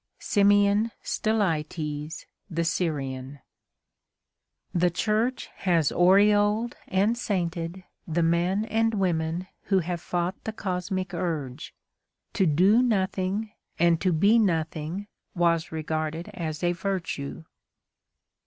SIMEON STYLITES THE SYRIAN The church has aureoled and sainted the men and women who have fought the Cosmic Urge. To do nothing and to be nothing was regarded as a virtue.